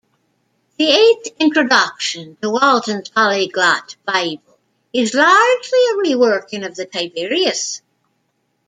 The eighth introduction to Walton's Polyglot Bible is largely a reworking of the "Tiberias".